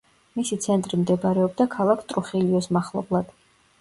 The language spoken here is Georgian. მისი ცენტრი მდებარეობდა ქალაქ ტრუხილიოს მახლობლად.